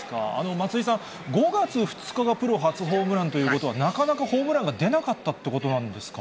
松井さん、５月２日がプロ初ホームランということは、なかなかホームランが出なかったってことなんですか？